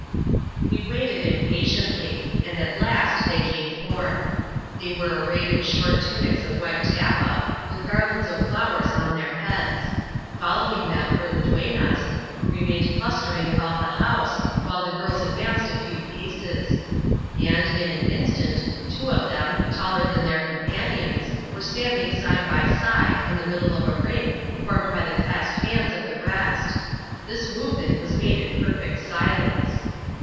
We waited impatiently ; and at last they came forth. They were arrayed in short tunics of white tappa ; with garlands of flowers on their heads. Following them, were the duennas, who remained clustering about the house^ while the girls ad vanced a few paces ; and, in an instant, two of them, taller than their companions, were standing side by side, in the middle of a ring, formed by the clasped hands of the rest This movement was made in perfect silence.